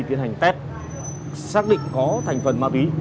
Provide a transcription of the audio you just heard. tiến hành test xác định có thành phần ma túy